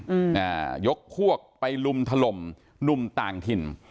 อืมอ่ายกพวกไปลุมถล่มหนุ่มต่างถิ่น